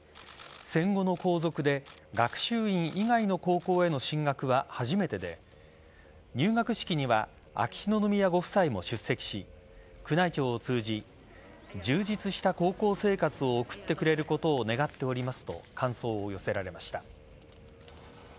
戦後の皇族で学習院以外の高校への進学は初めてで入学式には秋篠宮ご夫妻も出席し宮内庁を通じ充実した高校生活を送ってくれることを願っておりますと感想を寄せられました。